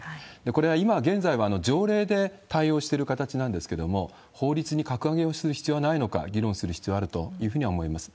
これは今現在は条例で対応してる形なんですけれども、法律に格上げをする必要はないのか、議論する必要はあるというふうには思います。